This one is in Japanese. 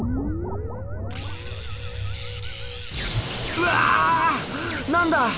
うわ！何だ！